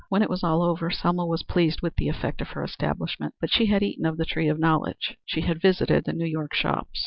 When it was all over Selma was pleased with the effect of her establishment, but she had eaten of the tree of knowledge. She had visited the New York shops.